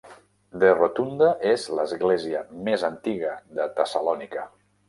The Rotunda és l'església més antiga de Tessalònica.